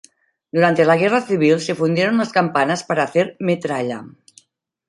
Durante la Guerra Civil se fundieron las campanas para hacer metralla.